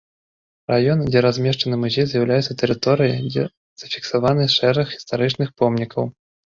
Раён, дзе размешчаны музей з'яўляецца тэрыторыяй, дзе зафіксаваны шэраг гістарычных помнікаў.